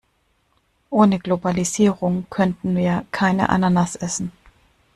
Ohne Globalisierung könnten wir keine Ananas essen.